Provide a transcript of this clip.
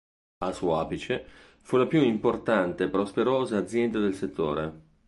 Al suo apice, fu la più importante e prosperosa azienda del settore.